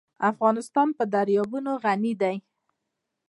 افغانستان په دریابونه غني دی.